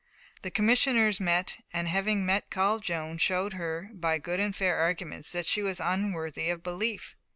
The Commissioners met, and, having called Joan, showed her "by good and fair arguments" that she was unworthy of belief.